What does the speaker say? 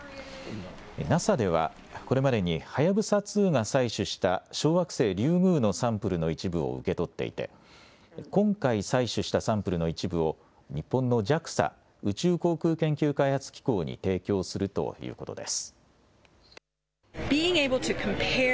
ＮＡＳＡでは、これまでにはやぶさ２が採取した小惑星リュウグウのサンプルの一部を受け取っていて、今回採取したサンプルの一部を、日本のＪＡＸＡ・宇宙航空研究開発機構に提供するということです。